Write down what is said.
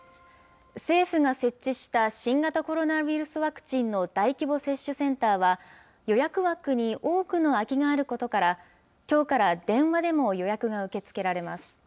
政府が設置した新型コロナウイルスワクチンの大規模接種センターは、予約枠に多くの空きがあることから、きょうから電話でも予約が受け付けられます。